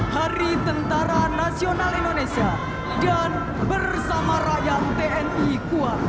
dua puluh dua hari tentara nasional indonesia dan bersama rakyat tni kuat